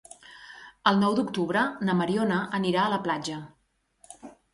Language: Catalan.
El nou d'octubre na Mariona anirà a la platja.